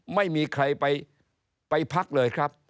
ไม่มีใครไปพักเลยครับ